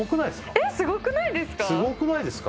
えっすごくないですか？